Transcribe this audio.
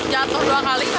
jatuh dua kali sama